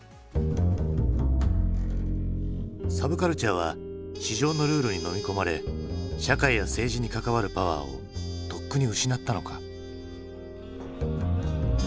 サブカルチャーは市場のルールにのみ込まれ社会や政治に関わるパワーをとっくに失ったのか。